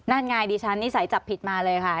นั่นไงดิฉันนิสัยจับผิดมาเลยค่ะ